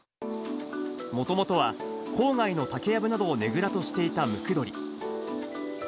もともとは郊外の竹やぶなどをねぐらとしていたムクドリ。